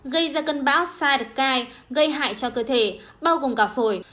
gây ra cân báo side kai gây hại cho cơ thể bao gồm cả phổi